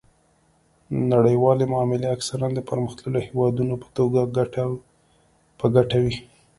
نړیوالې معاملې اکثراً د پرمختللو هیوادونو په ګټه وي